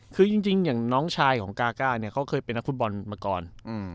คือจริงอย่างน้องชายของกาก้าเนี่ยเขาเคยเป็นนักฟุตบอลมาก่อน